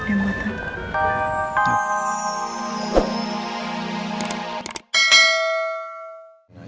yang buat aku